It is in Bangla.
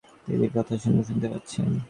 তিনি দেবীর কথা এখনো শুনতে পাচ্ছেন।